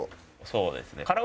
そうですね。